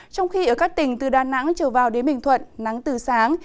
trong khi ở các tỉnh từ đà nẵng trở vào đến bình thuận nắng từ sáng